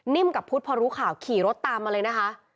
กับพุทธพอรู้ข่าวขี่รถตามมาเลยนะคะ